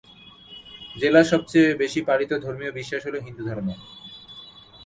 জেলার সবচেয়ে বেশি পালিত ধর্মীয় বিশ্বাস হল হিন্দু ধর্ম।